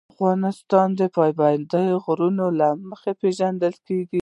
افغانستان د پابندی غرونه له مخې پېژندل کېږي.